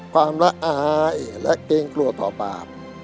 ความละอายและเกรงกลัวต่อปาก